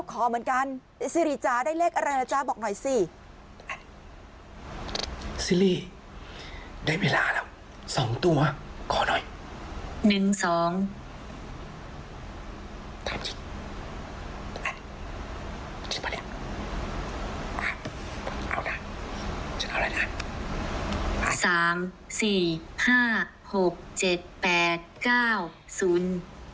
สามสี่ห้าหกเจ็ดแปดเก้าศุลย์